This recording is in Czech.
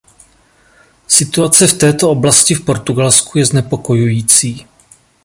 Situace v této oblasti v Portugalsku je znepokojující.